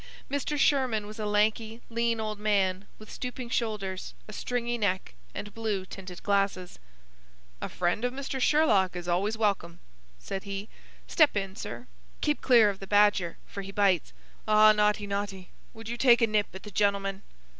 Mr. Sherman was a lanky, lean old man, with stooping shoulders, a stringy neck, and blue tinted glasses. "A friend of Mr. Sherlock is always welcome," said he. "Step in, sir. Keep clear of the badger; for he bites. Ah, naughty, naughty, would you take a nip at the gentleman?"